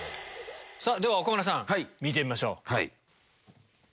さぁでは岡村さん見てみましょう。